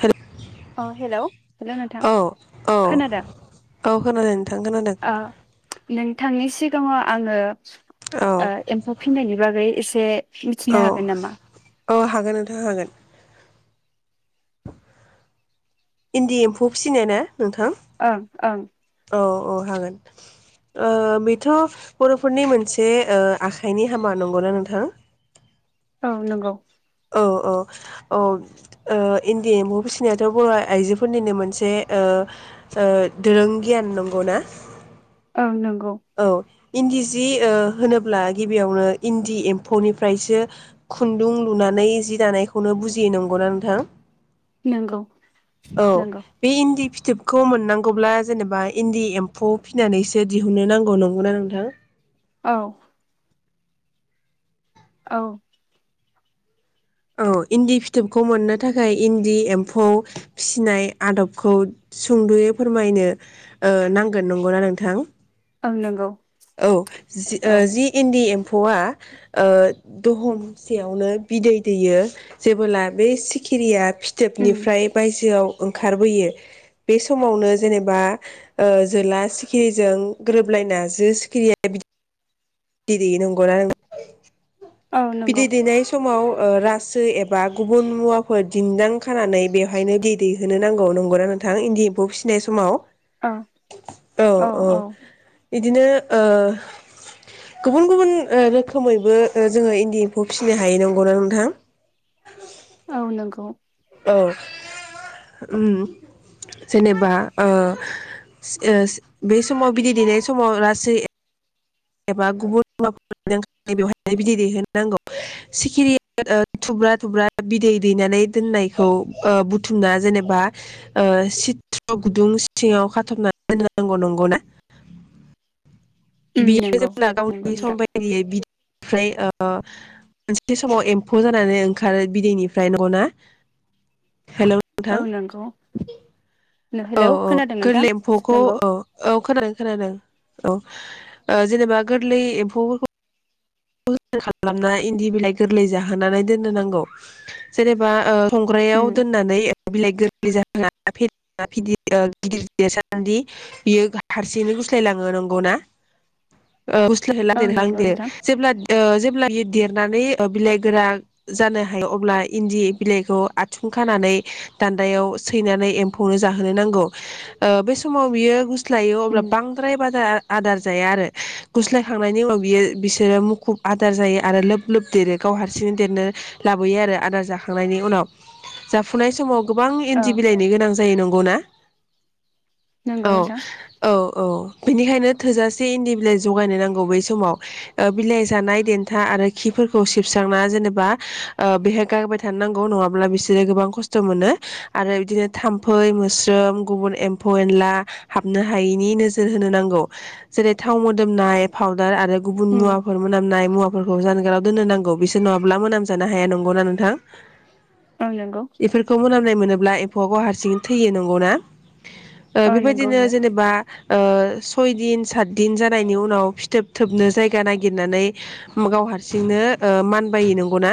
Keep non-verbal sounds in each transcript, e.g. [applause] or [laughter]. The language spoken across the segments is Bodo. हेलौ अ हेलौ हेल' नोंथां औ खोनादो औ खोनादों नोंथां खोनादों अ नों थांनि सिगाङाव आङो औ ओ एम्फौ फिनायनि बागै एसे। मिथिनो औ हागोन नामा? औ हागोन नोंथां हागोन इन्दि एम्फौ फिसिनाय ना नोंथां? ओं ओं अ अ हागोन ओ बेथ' बर'फोरनि मोनसे ओ आखाइनि हामा नंगौना नोंथां? औ नंगौ औ औ औ अ ओ इन्दि एम्फौ फिसिनायाथ' बर' आइजोफोरनिनो मोनसे ओ ओ दोरों गियान नंगौ ना? ओं नों औ इन्दि सि होनोब्ला गिबियावनो इन्दि एम्फौनिफ्रायसो खुन्दुं लुनानै जि दानायखौनो बुजियो नंगौना नोंथां? नंगौ औ नंगौ बे इन्दि फि थोबखौ मोननांगौब्ला जेनेबा इन्दि एम्फौ फिनानैसो दिहुननो नांगौ नंगौना नोंथां? औ औ औ इन्दि फिथोबखौ मोननो थाखाय इन्दि एम्फौ फिसिनाय आदबखौ सुंद'यै फोरमायनो ओ नांगोन, नंगौना नोंथां? ओं नंगौ औ जि ओ औ जि इन्दि एम फौया ओ दहमसेयावनो बिदै दैयो जेबोब्ला बे सिखिरिया उम फिथोबनिफ्राय बायजोआव ओंखारबोयो बे समावनो जेनेबा ओ जोला सिखिरिजों गोरोबलायना जो सिखिरिया बि दै दैयो नांगौना नों औ बिदै नंगौ दैनाय समाव ओ रासो एबा गुबुन मुवाफोर दिन्न्दां खानानै बेवहायनो बिदै दैहोनो नांगौ नंगौना नोंथां इन्दि एम्फौ फिसिनाय समाव। औ औ औ बिदिनो ओ गुबुन गुबुन रोखोमैबो ओ जोङो इन्दि एम्फौ फिसिनो हायो नंगौना नोंथां? औ नंगौ औ उम जेनेबा ओ ओ बे समाव बिदै दैेनाय समाव रासो एबा गुबुन मा बेवहाय बिदै दैहोनो नांगौ सिखिरि ओ थुब्रा-थुब्रा बिदै दैनानै दोननायखौ बुथुमना ओ जेनेबा ओ सिथ्र' गुदुं सिङाव खाथबनानै दोननांगौ। नंगौना? उम नंगौ जेब्ला नंगौ गावनि नोंथां समबायदियै बिदै फ्राय ओ मोनसे समाव एम्फौ जानानै ओंखारो बिदैनिफ्राय नोंगौना? हेलौ औ नोंथां नंगौ औ हेलौ औ खोनादों नोंथां गोरलै एम्फौखौ नंगौ औ औ खोनादों खोनादों औ ओ जेनेबा गोरलै एम्फौफोरखौ खालामना इन्दि बिलाइ गोरलै जाहोनानै दोननो नांगौ जेनेबा ओ संग्रायाव उम दोननानै बिलाइ गोर गिदर देरसान्दि बियो हारसिंनो गुस्लायलाङो नंगौना? औ [unintelligible] ओ जेब्ला औ नंगौ नोंथां बियो देरनानै ओ बिलाइ गोरा जानो हायो अब्ला इन्दि बिलाइखौ आथुं खानानै दान्दायाव सैनानै एम्फौनो जाहोनो नांगौ। ओ बेै समाव बियो गु स्लायो अब्ला उम बांद्राय बारा आदार जाया आरो। गुस्लायखांनायनि उनाव बियो बि सोरो मुखुब आदार जायो आरो लोब लोब देरो गाव हारसिंनो देरनो लाबोयो आरो आदार जाखांनायनि उनाव जाफुनाय समाव गोबां औ एनदि बिलायनि गोनां जायो नंगौ ना? नंगौ औ नोंथां औ औ बेनिखायनो थोजासे इन्दि बिलाइ जगायनो नांगौ बै समाव। बिलाइ जानाय देन्था आरो खिफोरखौ सिबस्रांना जेनेबा ओ बेहाय गारबाय थानो नांगौ नङाब्ला बिसोरो गोबां खस्थ' मोनो आरो बिदिनो थाम्फै मोस्रोम गुबुन एम्फौ-एनला हाबनो हायिनि नोजोर होनो नांगौ जेरै थाव मोदोमनाय फाउदार आरो उम मुवाफोर मोनामनाय फोरखौ जानगाराव दोननो नांगौ बिसोर नङाब्ला मोनामजानो हाया नंगौना नोंथां। औ नंगौ बेफोरखौ मोनामनाय मोनो । अब्ला एम्फौबो हारसिं थैयो नोंगौना। औ नंगौ बेबायदिनो इयो जेनेबा। ओ सयदिन सातदिन जानायनि उनाव फिथोब थोबनो जायगा नायगिरनानै गाव हारसिंनो ओ मानबायो नंगौना।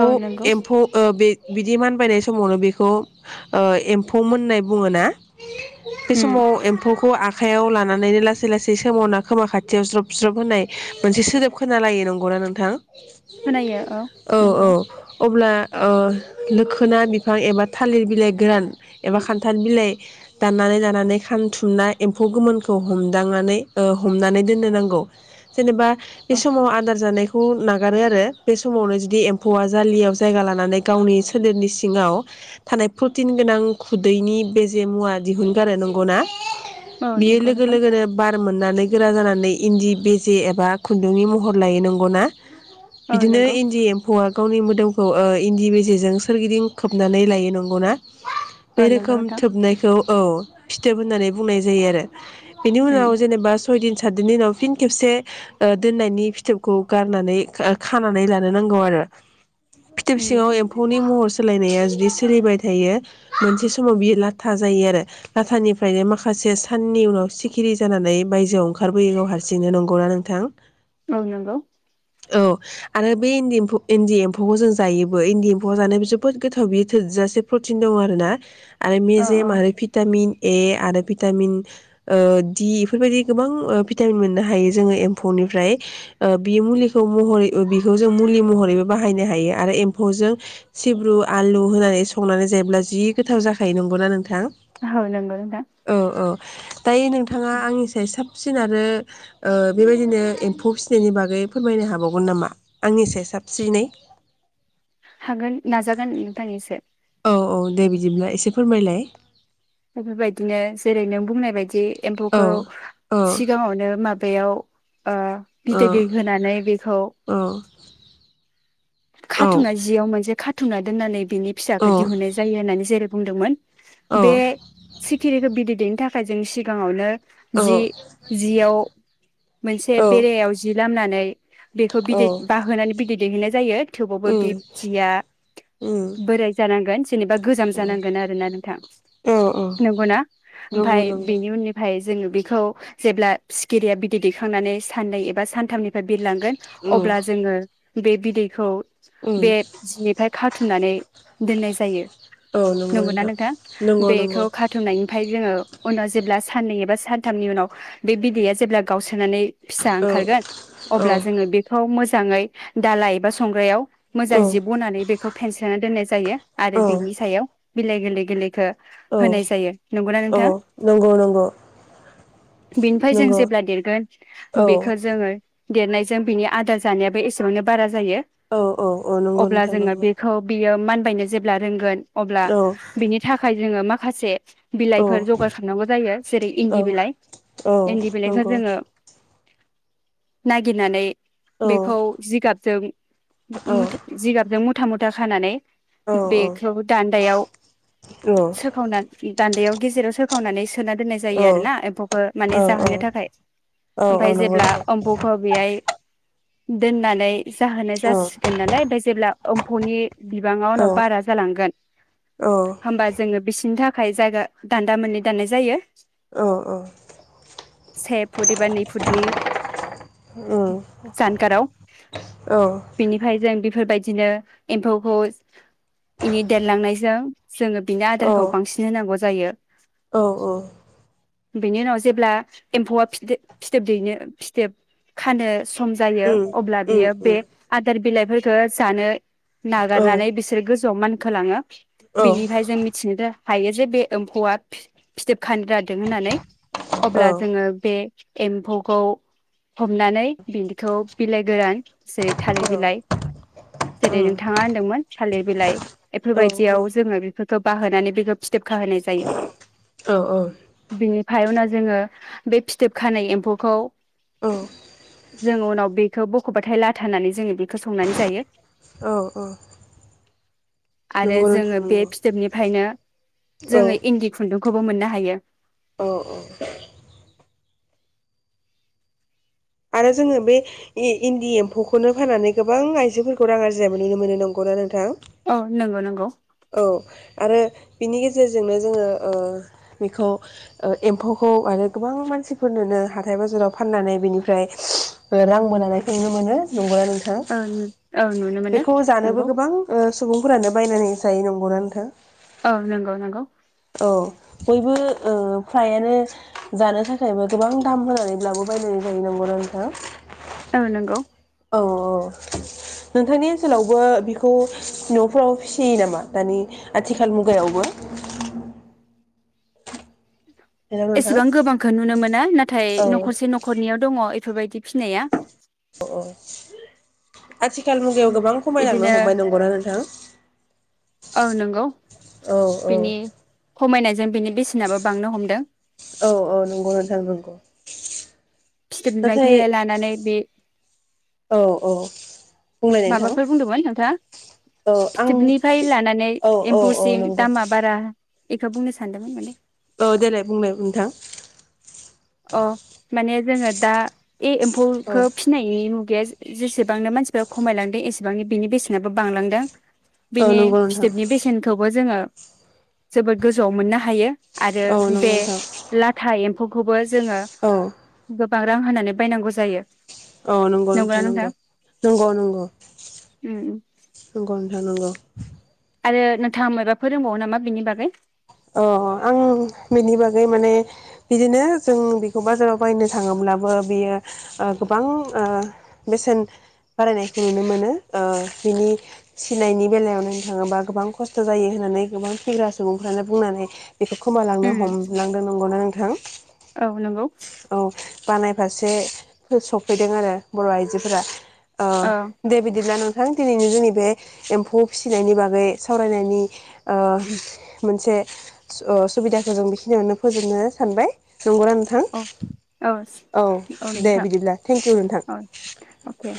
औ नंगौ एम्फौ ओ बे बिदि मानबायनाय समावनो बेखौ एम्फौ मोननाय बुङोना। बे उम समाव एम्फौखौ आ आखायाव लानानैनो लासै लासै सोमावना खोमा खाथियाव ज्रब ज्रब होननाय मोनसे सोदोब खोनालायो नंगौना नोंथां? खोनायो औ नंगौ औ अब्ला ओ-लोखोना बिफां एबा थालिर बिलाइ गोरान एबा खान्थाल बिलाइ दाननानै लानानै खानथुमना एम्फौ गोमोनखौ हमदांनानै ओ- हमनानै दोननो नांगौ। [inaudible] जेनेबा बे औ समाव आदार जानायखौ खौ नागारो आरो बे समावनो जुदि एम्फौआ जालियाव जायगा लानानै गावनि सोलेरनि सिङाव थानाय प्रटिन गोनां खुदैनि बेजे मुवा दिहुनगारो नंगौना? औ बियो नंगौ लोगो नोंथां लोगोनो बार मोननानै गोरा जानानै इन्दि बिजे एबा खुन्दुंनि महर लायो नंगौना। औ बिदिनो नंगौ इन्दि एम्फौआ। गावनि मोदोमखौ ओ- इन्दि बेेजेजों सोरगिदिं खोबनानै लायो नंगौना। औ बे नंगौ रोखोम नोंथां थोबनायखौ। औ फिथोब होननानै बुंनाय जायो आरो। बेनि उम उनाव जेनेबा सय दिन। साट दिननि उनाव। फिन खेबसे ओ-दोननायनि फिथोबखौ गारनानै खानानै लानो नांगौ आरो। फिथोब उम सिङाव एम्फौनि महर सोलायनाया जुदि सोलिबाय थायो मोनसे समाव बियो लाथा जायो आरो लाथानिफ्रायनो माखासे साननि उनाव सिखिरि जानानै बायजोआव ओंखारबोयो गाव हारसिं। हासिंनो नंगौना नोंथां? औ नोंगौ। औ आरो बे इन्दिम्फौ इन्दि एम्फौखौ जों जायोबो इन्दि एम्फौआव जानाय जोबोद गोथाव बियो थोजासे प्रटिन दं आरोना। आरो औ औ मेजेम आरो भिटामिन। ए आरो भिटामिन ओ-दि बेफोर बायदि गोबां ओ- फि भिटामिन मोननो हायो जोङो एम्फौनिफ्राय ओ-बि मुलिखौ महरै बिखौ जों मुलि ओ-महरैबो बाहायनो हायो आरो एम्फौजों सिब्रु आलु होनानै संनानै जायोब्ला जि गोथाव जाखायो नंगौना नोंथां? औ नंगौ नोंथां औ औ दायो नोंथाङा आंनिफ्राय साब साबसिन आरो। ओ-बेबायदिनो एम्फौ फिसिनायनि बागै फोरमायनो हाबावगोन नामा आंनि सायाव साबसिनै? गोन नाजागोन नोंथां एसे। औ औ दे बिदिब्ला एसे फोरमायलाय। बेफोरबायदिनो जेरै नों बुंनाय बायदि। एम्फौखौ औ औ सिगाङावनो माबायाव। औ ओ-बिदै दै होनानै बेखौ। औ औ खाथुना जियाव मोनसे खाथ - थुना दोन्नानै बिनि फिसाखौ दिहुननाय जायो होननानै जेरै बुंदोंमोन। बे औ सिखिरिखौ बिदै दैनो थाखाय जों सिगांङावनो जि जियाव मोनसे औ बेरायाव जि लामनानै बेखौ औ बिदै बाहोनानै बिदै दैहोनाय जायो। थेवबावबो उम बिब्दिया उम बोराय जानांगोन जेनेबा गोजाम जानांगोन आरो ना नोंथां। औ औ नंगौना? नंगौ ओमफाय नंगौ बेनि उननिफाय जोंङो बेखौ जेब्ला सिखिरिया बिदै दैखांनानै साननै एबा सानथामनिफ्राय बिरलांगोन उम अब्ला जोंङो बे बिदैखौ उम बे जिनिफ्राय खाथुमनानै दोननाय जायो। औ नंगौ नोंथा। नंगौ नंगौ इन निफाय जोंङो उनाव जेब्ला साननै एबा सानथामनि उनाव बे बिदैया जेब्ला गावसोनानै फिसा औ ओंखारगोन औ अब्ला जोंङो बेखौ मोज जांङै दाला एबा संग्रायाव मोजां जि बनानै बेखौ फेनस्रोना दोननाय जायो। आरो औ बिनि सायाव बिलाइ गोल्लै गोल्लै खो औ औ नंगौ नंगौ। बिनिफ्राय जों नंगौ जेब्ला देरगोन औ बेखो जोंङो देरनायजों बिनि आदार जानायाबो एसेबांनो बारा जाङो औ औ नंगौ अब्ला नोंथां जोंना नंगौ बेखौ बियो मानबायनो जेब ब्ला रोंगोन अब्ला औ बिनि थाखाय जोंङो मा खासे बिलाइफोर औ जगार खालामनांगौ जायो जेरै औ इन्दि बिलाइ औ इन्दि बिलाइखौ नंगौ जोंङो नागिरनानै औ बेखौ जिगाबजों औ मुथे जिगाबजों मुथ मुथा मुथा खानानै औ बेखौ दान्दायाव औ सो दान्दैआव गेजेराव सोखावनानै सो सोना दोननाय जायो आरो ना औ एम्फौखौ औ माने जाहोनो थाखाय औ ओमफाय नंगौ जेब्ला नोंथां एमफौखौ बेहाय दोननानै जाहोनाय औ जासिगोन नालाय ओमफ्राय जेब्ला ओम्फौनि बिबाङा औ उनाव बारा जालांगोन होमबा जोङो [unintelligible] थाखाय जायगा दान्दा मोननै दान्नाय जायो औ औ से फुट एबा नै फुटनि उम [inaudible] जानगाराव औ बिनिफ्राय जों बेफोरबायदिनो एम्फौखौ इनि देरलांनायजों जोङो बिनि औ आदारखौ बांसिन होनांगौ जायो औ औ उम बेनि उनाव जेब्ला एम्फौआ फिथो फिथोब दैनो फिथोब खानो सम जायो अब्ला उम बियो बे उम आदार बिलाइफोरखौ जानो नागारनानै औ बिसोरो गोजौआव मानखोलाङो औ बिनिफाय जों मिथियो दा हायो जे बे एम्फौआ बि फिथोब खानो लादों होननानै औ अब्ला जोङो बे एम्फौखौ हमनानै बिदिखौ बिलाइ गोरान जेरै थालिर बिलाइ जेरै उम नोंथाङा होनदोंमोन थालिर बिलाइ औ बेफोरबायदियाव जोङो बेफोरखौ बाहोनानै बेखौ फिथोब खाहोनाय जायो औ औ बिनिफ्राय उनाव जोङो बे फिथोब खानाय एम्फौखौ औ जों उनाव बेखौ बखबाथाय लाथा होनानै जोङो बेखौ संनानै जायो औ औ आरो नंगौ नोंथां जोङो बे नंगौ फिथोबनिफ्रायनो औ जोङो इन्दिखौ खुन्दुंखौबो मोननो हायो [inaudible] औ औ आरो जोङो बे इन्दि एम्फौखौनो फाननानै गोबां आइजोफोरखौ रां आरजिनायबो नुनो मोनो नंगौना नोंथां औ नंगौ नंगौ औ आरो बिनि गेजेरजोंनो जोङो ओ बेखौ ओ एम्फौखौ आरो गोबां मानसिफोरनोनो हाथाय बाजाराव फाननानै बिनि फ्राय रां मोननायखौनो नुनो मोनो नंगौना थां औ औ नुनो मोनो बेखौ नंगौ जानोबो गोबां ओ सुबुंफोरानो बायनानै [unintelligible] नंगौना नोंथां? औ नंगौ नंगौ औ बयबो ओ फ्रायानो जानो थाखायबो गोबां दाम होनानैब्लाबो बायलायनाय जायो नंगौना नोंथां? औ नंगौ। औ नोंथांनि ओनसोलावबो बेखौ न'फ्राव फिसियो नामा दानि आथिखाल मुगायावबो हेलौ नोंथां एसेबां गोबांखौ नुनो मोना नाथाय औ न'खरसे न'खरनियाव दङ फोरबायदि फिनाया अ आथिखाल मुगायाव गोबां इदिनो खमायलांनो हमबाय नंगौना नोंथां? औ नंगौ औ औ बिनि खमायनायजों बिनि बेसेनाबो बांनो हमदों। औ औ नंगौ नोंथां नंगौ फिथोब नाथाय [unintelligible] लानानै बे औ औ बुंलाय नोंथां माबाफोर बुंदोंमोन नोंथाङा औ आं फिथोबनिफ्राय लानानै औ औ एम्फौसिम नंगौ दामा बारा एखौ बुंनो सानदोंमोन माने। ओ देलाय बुंलाय नोंथां? अ माने जोङो दा ए औ एम्फौखौ फिनाय नु गैया जेसेबांनो मानसिफोरा खमायलांदों एसेबांनो बिनि बेसेनाबो बांलांदों। औ बिनि नंगौ नोंथां फिथोबनि बेसेनखौबो जोङो जोबोद गोजौआव मोननो हायो। आरो औ बे नंगौ नोंथां लाथा एम खौबो जोङो औ गोब बां रां होनानै बायनांगौ जायो। औ नंगौ नोंथां नंगौ नंगौ नंगौ उम उम नंगौ नोंथां नंगौ। आरो नोंथाङा मायबाफोर रोंबावो नामा बिनि बागै? अ आं बेनि बागै माने बिदिनो जों बेखौ बाजाराव बायनो थाङोब्लाबो बियो ओ गोबां ओ बेसेन बारायनायखौ नुनो मोनो ओ बिनि फिसिनायनि बेलायाव नायनो थाङोबा गोबां खस्थ' जायो होननानै गोबां फिग्रा सुबुंफ्रानो बुंनानै बेखौ खोमायलांनो उम हमलांदों नंगौना नोंथां? औ नंगौ औ। बानायफारसे फोर सफैदों आरो बर' आइजोफोरा। अ औ दे बिदिब्ला नोंथां। दिनैनो जोंनि बे एम्फौ फिसिनायनि बागै सावरायनायनि ओ मोनसे ओ सुबिदाखौ जों बेखिनियावनो फोजोबनो सानबाय। नंगौना नोंथां? औ औ औ दे बिदिब्ला थेंकिउ नोंथां। औ अके